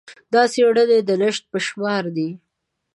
دا څېړنې د نشت په شمار دي.